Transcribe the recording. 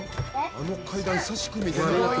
あの階段久しく見てない。